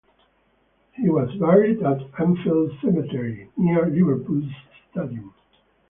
He was buried at Anfield Cemetery, near Liverpool's stadium.